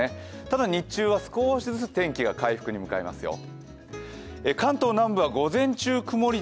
ただ日中は少しずつ天気が回復に向かいますよ。